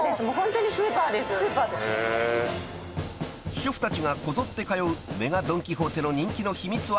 ［主婦たちがこぞって通うＭＥＧＡドン・キホーテの人気の秘密は］